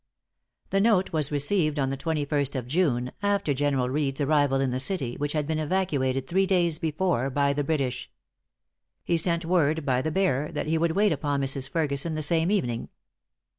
The note was received on the 21st of June, after General Reed's arrival in the city, which had been evacuated three days before by the British. He sent word by the bearer that he would wait upon Mrs. Ferguson the same evening.